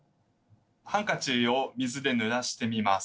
ハンカチを水でぬらしてみます。